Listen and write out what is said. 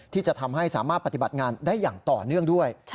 ที่จะทำให้สามารถปฏิบัติงานได้อย่างต่อเนื่องด้วย